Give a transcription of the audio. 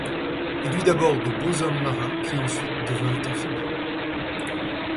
Il y eut d’abord de beaux hommes marins qui ensuite devinrent amphibies.